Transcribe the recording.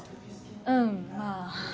うんまあ。